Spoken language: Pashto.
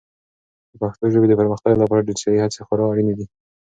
د پښتو ژبې د پرمختګ لپاره ډیجیټلي هڅې خورا اړینې دي.